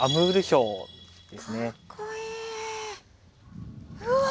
うわ！